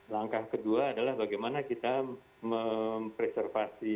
langkah kedua adalah bagaimana kita mempreservasi